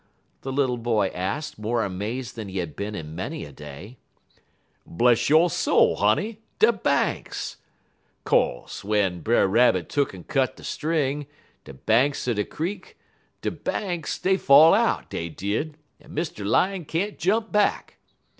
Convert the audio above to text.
the little boy asked, more amazed than he had been in many a day. "Bless yo' soul, honey, de banks! Co'se w'en Brer Rabbit tuck'n cut de string, de banks er de creek, de banks, dey fall back, dey did, en Mr. Lion can't jump back.